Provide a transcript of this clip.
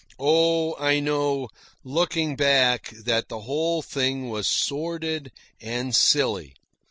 Oh, I know, looking back, that the whole thing was sordid and silly.